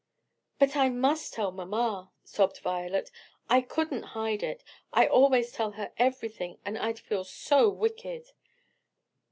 "But I must tell mamma," sobbed Violet. "I couldn't hide it; I always tell her everything; and I'd feel so wicked."